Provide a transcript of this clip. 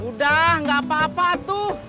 udah gak apa apa tuh